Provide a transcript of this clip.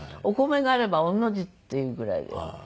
お米があれば御の字っていうぐらいで。